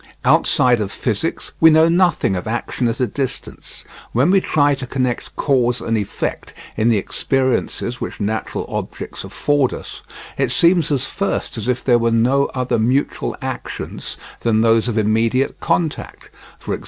Outside of physics we know nothing of action at a distance. When we try to connect cause and effect in the experiences which natural objects afford us, it seems at first as if there were no other mutual actions than those of immediate contact, e.g.